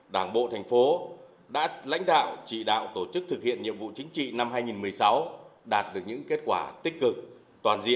đảng bộ thành phố đã lãnh đạo chỉ đạo tổ chức thực hiện nhiệm vụ chính trị năm hai nghìn một mươi sáu